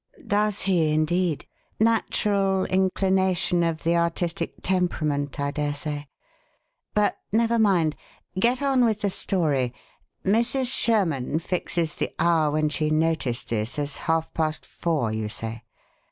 "Does he, indeed? Natural inclination of the artistic temperament, I dare say. But never mind, get on with the story. Mrs. Sherman fixes the hour when she noticed this as half past four, you say?